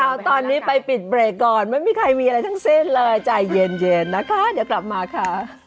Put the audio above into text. เอาตอนนี้ไปปิดเบรกก่อนไม่มีใครมีอะไรทั้งสิ้นเลยใจเย็นนะคะเดี๋ยวกลับมาค่ะ